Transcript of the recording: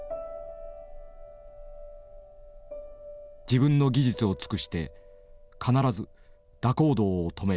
自分の技術を尽くして必ず蛇行動を止める。